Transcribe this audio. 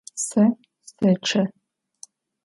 Se seççe.